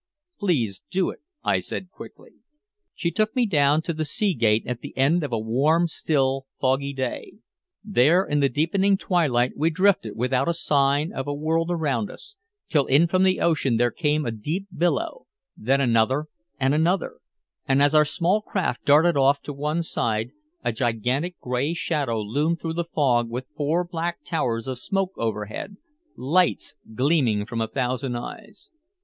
"Please do it," I said quickly. She took me down, to the sea gate at the end of a warm, still, foggy day. There in the deepening twilight we drifted without a sign of a world around us till in from the ocean there came a deep billow, then another and another, and as our small craft darted off to one side a gigantic gray shadow loomed through the fog with four black towers of smoke overhead, lights gleaming from a thousand eyes.